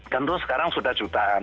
tentu sekarang sudah jutaan